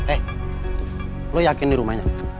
eh lo yakin nih rumahnya